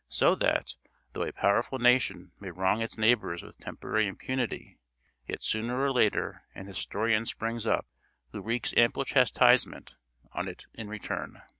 So that, though a powerful nation may wrong its neighbors with temporary impunity, yet sooner or later an historian springs up, who wreaks ample chastisement on it in return.